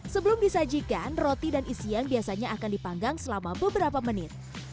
sebelum disajikan roti dan isian biasanya akan dipanggang selama beberapa menit